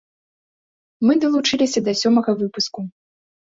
Мы далучыліся да сёмага выпуску.